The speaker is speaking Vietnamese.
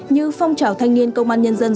như phong trào thanh niên công an nhân dân